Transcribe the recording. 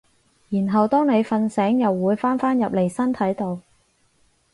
然後當你瞓醒又會返返入嚟身體度